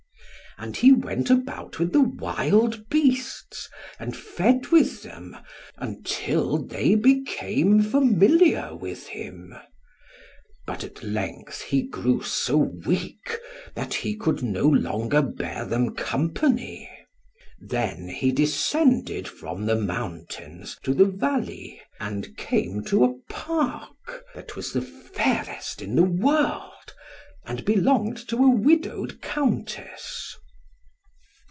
And he went about with the wild beasts, and fed with them, until they became familiar with him. But at length he grew so weak, that he could no longer bear them company. Then he descended from the mountains to the valley, and came to a park, that was the fairest in the world, and belonged to a widowed Countess.